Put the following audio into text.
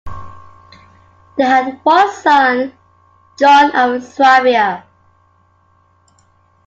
They had one son, John of Swabia.